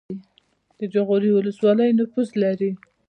د جاغوری ولسوالۍ نفوس لري